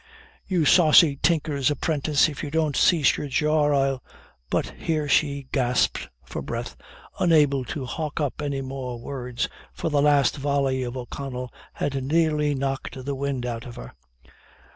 "You saucy tinker's apprentice, if you don't cease your jaw, I'll " But here she gasped for breath, unable to hawk up any more words, for the last volley of O'Connell had nearly knocked the wind out of her.